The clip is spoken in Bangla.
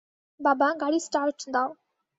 বাবা, গাড়ি স্টার্ট দাও!